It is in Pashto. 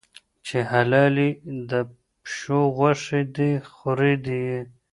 چي حلالي د پشو غوښي دي خوری یې